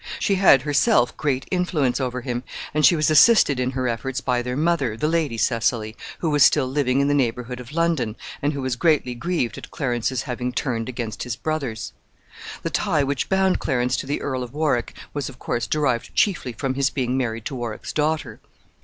She had herself great influence over him, and she was assisted in her efforts by their mother, the Lady Cecily, who was still living in the neighborhood of London, and who was greatly grieved at Clarence's having turned against his brothers. The tie which bound Clarence to the Earl of Warwick was, of course, derived chiefly from his being married to Warwick's daughter.